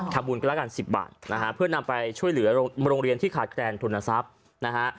บุญก็แล้วกัน๑๐บาทนะฮะเพื่อนำไปช่วยเหลือโรงเรียนที่ขาดแคลนทุนทรัพย์นะฮะ